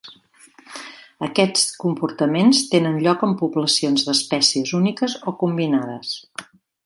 Aquests comportaments tenen lloc en poblacions d'espècies úniques o combinades.